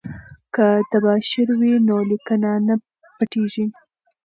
که تباشیر وي نو لیکنه نه پټیږي.